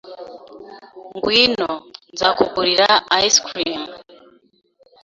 Ngwino, nzakugurira ice cream.